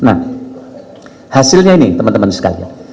nah hasilnya ini teman teman sekalian